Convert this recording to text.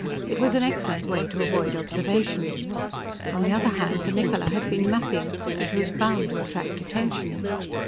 It was an excellent way to avoid observation. On the other hand, the Niccola had been mapping, which was bound to attract attention.